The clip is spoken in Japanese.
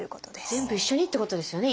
全部一緒にってことですよね。